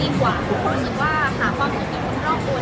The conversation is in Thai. ช่องความหล่อของพี่ต้องการอันนี้นะครับ